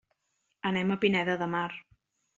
Anem a Pineda de Mar.